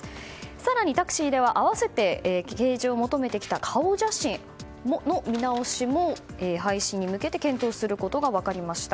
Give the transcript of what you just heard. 更にタクシーでは併せて提示を求めてきた顔写真の見直しも廃止に向けて検討することが分かりました。